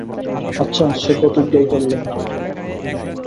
আচ্ছা, সেই প্রতিজ্ঞাই করলেম।